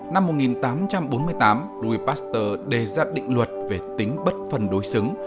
năm một nghìn tám trăm bốn mươi tám louis pasteur đề ra định luật về tính bất phần đối xứng